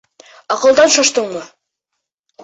Аҡылдан шаштыңмы?